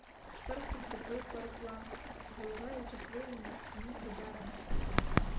Шторм підхопив пароплав і, заливаючи хвилями, поніс до берега.